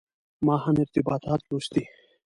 ما هم ارتباطات لوستي.